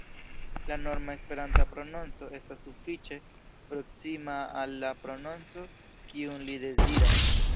La norma Esperanta prononco estas sufiĉe proksima al la prononco kiun li deziras.